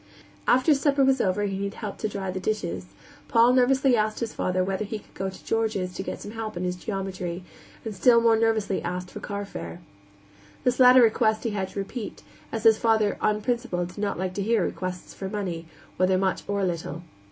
After supper was over and he had helped to dry the dishes, Paul nervously asked his father whether he could go to George's to get some help in his geometry, and still more nervously asked for carfare. This latter request he had to repeat, as his father, on principle, did not like to hear requests for money, whether much or little.